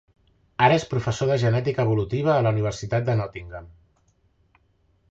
Ara és professor de genètica evolutiva a la Universitat de Nottingham.